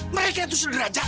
mereka itu sederajat